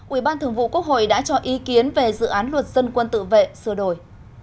ủy ban thường vụ quốc hội đã cho ý kiến về dự án luật dân quân tự vệ sửa đổi